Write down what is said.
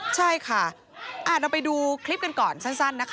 ใช่ค่ะเราไปดูคลิปกันก่อนสั้นนะคะนิดนึงค่ะ